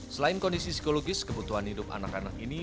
selain kondisi psikologis kebutuhan hidup anak anak ini